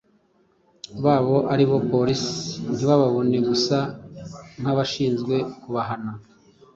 babo ari bo bapolisi ntibababone gusa nk’abashinzwe kubahana,